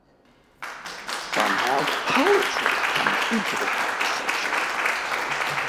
Somehow poetry comes into the conversation.